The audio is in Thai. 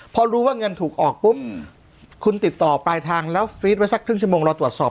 พอรู้ว่าเงินถูกออกปุ๊บคุณติดต่อปลายทางแล้วฟีดไว้สักครึ่งชั่วโมงรอตรวจสอบ